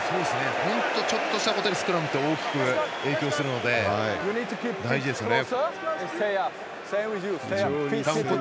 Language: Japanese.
本当ちょっとしたことでスクラムって大きく影響するので大事ですよね。